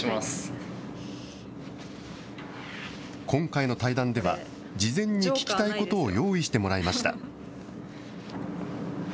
今回の対談では、事前に聞きたいことを用意してもらいました。